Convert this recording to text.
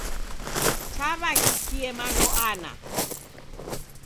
Chaw'aghikie mando ana.